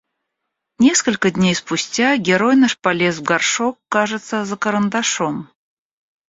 Несколько дней спустя герой наш полез в горшок, кажется, за карандашом.